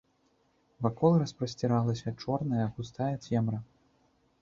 Вакол распасціралася чорная, густая цемра.